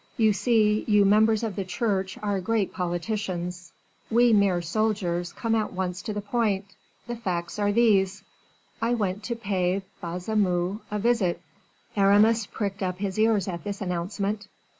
"You see, you members of the Church are great politicians; we mere soldiers come at once to the point. The facts are these: I went to pay Baisemeaux a visit " Aramis pricked up his ears at this announcement.